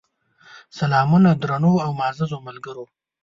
سلامونه درنو او معزز ملګرو!